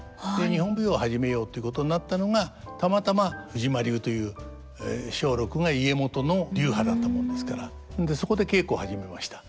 日本舞踊を始めようということになったのがたまたま藤間流という松緑が家元の流派だったもんですからそこで稽古を始めました。